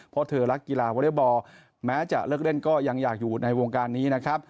เพราะเธอรักกีฬาวอเล็กบอลแม้จะเลิกเล่นก็ยังอยากอยู่ในวงการนี้นะครับ